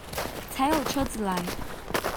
才有車子來